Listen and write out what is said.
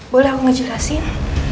boleh aku ngejelasin